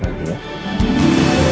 kenapa jadi kayak gini